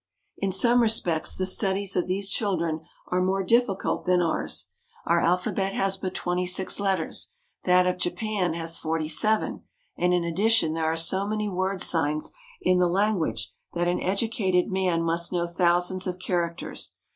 In some respects the studies of these children are more difficult than ours. Our alphabet has but twenty six letters. That of Japan has forty seven, and in addition there are so many word signs in the language that an educated man must know thousands of characters.